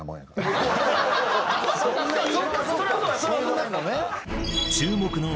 そんなに？